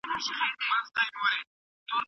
که د استاد احترام وکړو نو بې فیضه نه کیږو.